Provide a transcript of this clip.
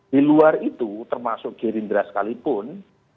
di luar itu termasuk gerindra sekalipun